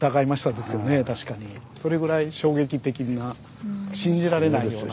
それぐらい衝撃的な信じられないような。